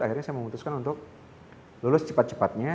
akhirnya saya memutuskan untuk lulus cepat cepatnya